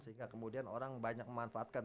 sehingga kemudian orang banyak memanfaatkan